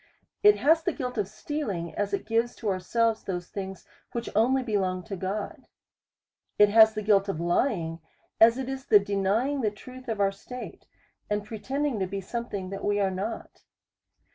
It has the guilt of stealing, as it gives to ourselves those things whicli only belong to God. It has the guilt of lying, as it is the denying the truth of our state, and pretending to be something that we are not.